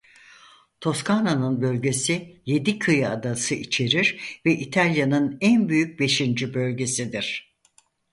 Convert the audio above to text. Toskana'nın bölgesi yedi kıyı adası içerir ve İtalya'nın en büyük beşinci bölgesidir.